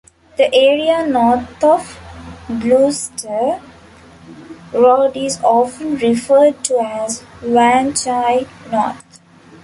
The area north of Gloucester Road is often referred to as Wan Chai North.